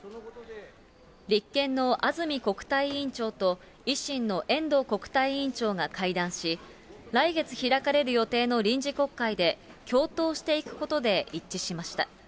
立憲の安住国対委員長と、維新の遠藤国対委員長が会談し、来月開かれる予定の臨時国会で、共闘していくことで一致しました。